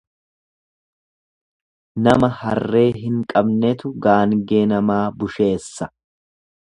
Nama harree hin qabnetu gaangee namaa busheessa.